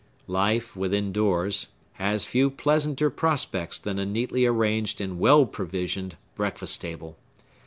Life, within doors, has few pleasanter prospects than a neatly arranged and well provisioned breakfast table.